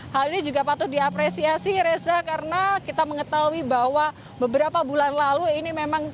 hal ini juga patut diapresiasi reza karena kita mengetahui bahwa beberapa bulan lalu ini memang